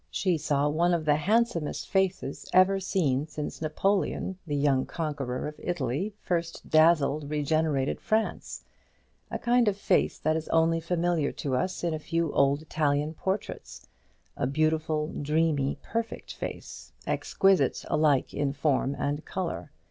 She saw one of the handsomest faces ever seen since Napoleon, the young conqueror of Italy, first dazzled regenerated France; a kind of face that is only familiar to us in a few old Italian portraits; a beautiful, dreamy, perfect face, exquisite alike in form and colour.